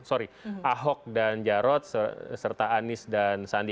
sorry ahok dan jarot serta anis dan sandi